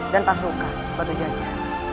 dan pasukan batu janja